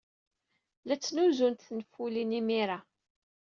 La ttnuzunt tenfulin imir-a.